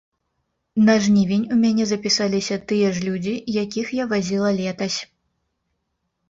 На жнівень у мяне запісаліся тыя ж людзі, якіх я вазіла летась.